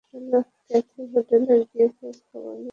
Kathy, হোটেলে গিয়ে খোঁজ খবর নিও।